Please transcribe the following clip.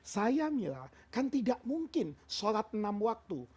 saya mila kan tidak mungkin sholat enam waktu